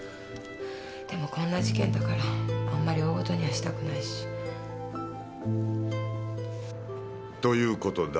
でもこんな事件だからあんまり大事にはしたくないし。ということだ。